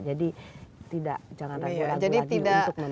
jadi jangan ragu ragu lagi untuk membantu masyarakat